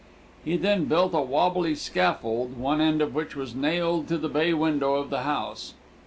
He then built a wobbly scaffold, one end of which was nailed to the bay window of the house.